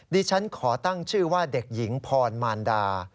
ดิฉันขอตั้งชื่อว่าเด็กหญิงพรมารดา